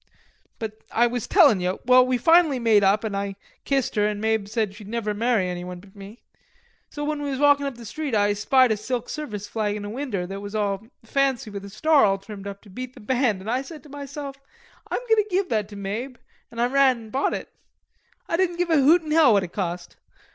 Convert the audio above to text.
But I was tellin' ye.... Well, we finally made up an' I kissed her an' Mabe said she'd never marry any one but me. So when we was walkin" up the street I spied a silk service flag in a winder, that was all fancy with a star all trimmed up to beat the band, an' I said to myself, I'm goin' to give that to Mabe, an' I ran in an' bought it. I didn't give a hoot in hell what it cost.